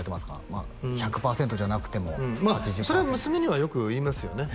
まあ１００パーセントじゃなくてもそれは娘にはよく言いますよね